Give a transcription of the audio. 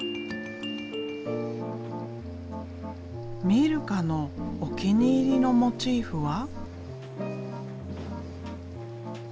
ミルカのお気に入りのモチーフは？